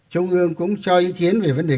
trung ương cũng cho ý kiến về vấn đề